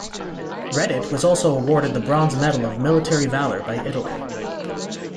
Readitt was also awarded the Bronze Medal of Military Valor by Italy.